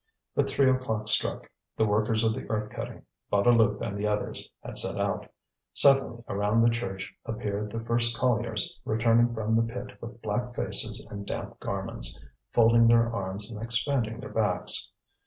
But three o'clock struck. The workers of the earth cutting, Bouteloup and the others, had set out. Suddenly around the church appeared the first colliers returning from the pit with black faces and damp garments, folding their arms and expanding their backs.